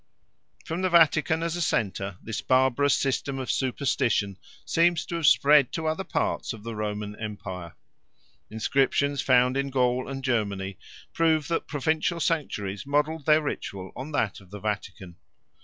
From the Vatican as a centre this barbarous system of superstition seems to have spread to other parts of the Roman empire. Inscriptions found in Gaul and Germany prove that provincial sanctuaries modelled their ritual on that of the Vatican.